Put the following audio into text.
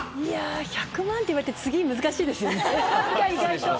１００万って言われて次、難しいですね。